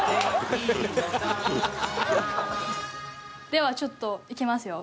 ではちょっといきますよ。